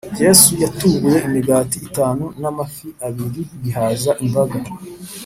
yesu yatubuye imigati itanu na amafi abiri bihaza imbaga